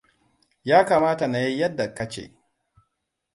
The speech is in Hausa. Ya kamata na yi yadda ka ce.